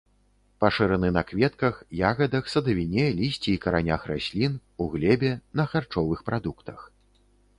Пашыраны на кветках, ягадах, садавіне, лісці і каранях раслін, у глебе, на харчовых прадуктах.